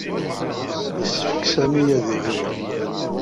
Yessefk Sami ad iɣiwel.